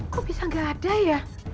kok bisa nggak ada ya